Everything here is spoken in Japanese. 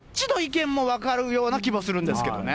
どっちの意見も分かるような気もするんですけどね。